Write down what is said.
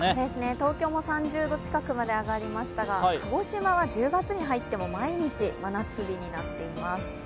東京も３０度近くまで上がりましたが、鹿児島は１０月に入っても毎日真夏日になっています。